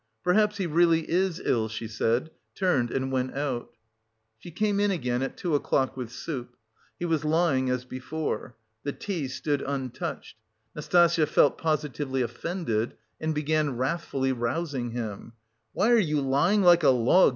"Perhaps he really is ill," she said, turned and went out. She came in again at two o'clock with soup. He was lying as before. The tea stood untouched. Nastasya felt positively offended and began wrathfully rousing him. "Why are you lying like a log?"